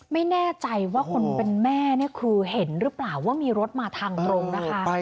ไม่แน่ใจว่าคนเป็นแม่เนี่ยครูเห็นหรือเปล่าว่ามีรถมาทางตรงนะคะ